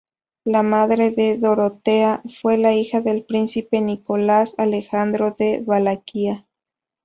La madre de Dorotea fue la hija del príncipe Nicolás Alejandro de Valaquia.